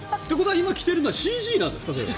ということは今来ているのはＣＧですか？